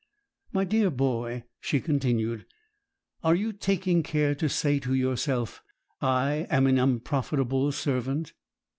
'My dear boy,' she continued, 'are you taking care to say to yourself, "I am an unprofitable servant"?'